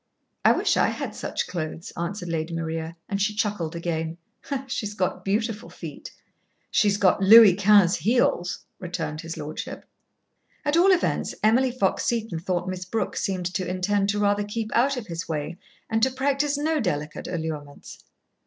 "I wish I had such clothes," answered Lady Maria, and she chuckled again. "She's got beautiful feet." "She's got Louis Quinze heels," returned his Lordship. At all events, Emily Fox Seton thought Miss Brooke seemed to intend to rather keep out of his way and to practise no delicate allurements.